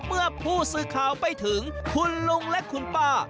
เมื่อผู้สื่อข่าวไปถึงคุณลุงและคุณป้า